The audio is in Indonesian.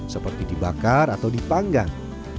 seperti dibakar atau dipanggang